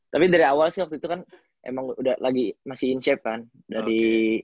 tapi dari awal sih waktu itu kan emang udah lagi masih in shape kan udah di